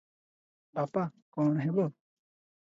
ବାପା କଣ ହେବ?"